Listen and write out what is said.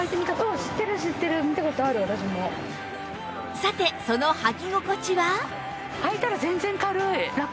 さてその履き心地は？